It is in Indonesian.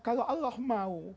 kalau allah mau